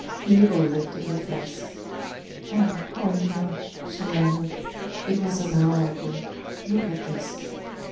Mabel lifted her face. "Oh! Oliver," she murmured. "It was an hour ago. ... Look at this."